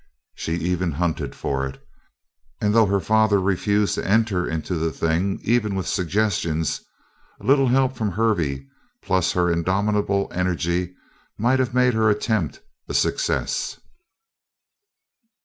She even hunted for it, and though her father refused to enter into the thing even with suggestions, a little help from Hervey plus her indomitable energy might have made her attempt a success.